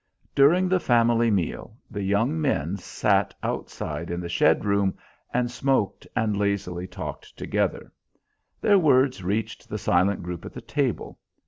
During the family meal the young men sat outside in the shed room, and smoked and lazily talked together. Their words reached the silent group at the table.